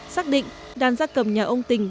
xác định đàn gia cầm nhà ông tình